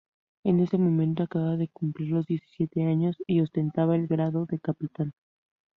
En ese momento acababa cumplir los diecisiete años y ostentaba el grado de capitán.